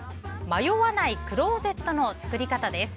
迷わないクローゼットのつくり方です。